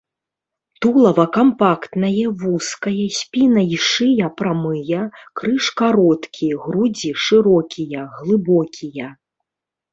Тулава кампактнае, вузкае, спіна і шыя прамыя, крыж кароткі, грудзі шырокія, глыбокія.